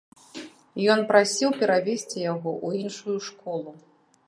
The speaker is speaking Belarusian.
Ён прасіў перавесці яго ў іншую школу.